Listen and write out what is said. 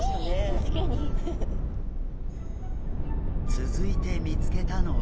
続いて見つけたのは。